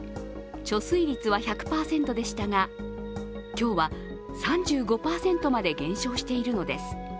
貯水率は１００％でしたが、今日は３５％まで減少しているのです。